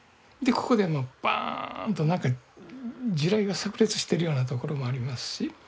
でここでもうバーンとなんか地雷がさく裂してるようなところもありますし。